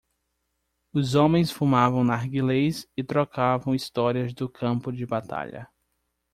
Os homens fumavam narguilés e trocavam histórias do campo de batalha.